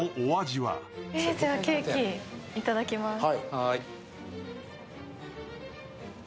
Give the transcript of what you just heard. じゃあケーキいただきます。